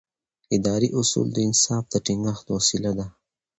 اداري اصول د انصاف د ټینګښت وسیله ده.